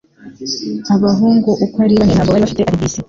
Abahungu uko ari bane ntabwo bari bafite alibis